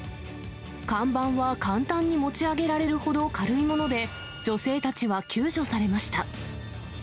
看板は、簡単に持ち上げられるほど軽いもので、女性たちは救助されました。